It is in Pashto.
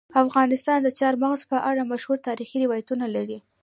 افغانستان د چار مغز په اړه مشهور تاریخی روایتونه لري.